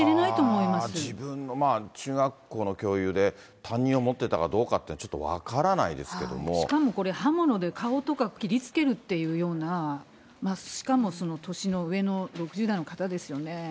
いや、自分が中学校の教諭で、担任を持ってたかどうかっていうのはちょしかもこれ、刃物で顔とか切りつけるっていうような、しかも年の上の６０代の方ですよね。